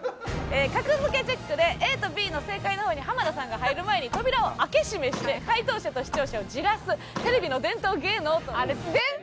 『格付けチェック』でＡとＢの正解の方に浜田さんが入る前に扉を開け閉めして解答者と視聴者をじらすテレビの伝統芸能。